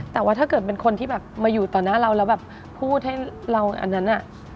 แต่ว่าถ้าเกิดเป็นคนที่แบบมาอยู่ต่อหน้าเราแล้วแบบพูดให้เราอันนั้นน่ะ